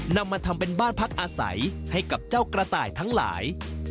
นำมาทำเป็นบ้านพักอาศัยให้กับเจ้ากระต่ายทั้งหลาย